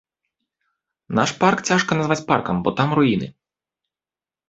Наш парк цяжка назваць паркам, бо там руіны.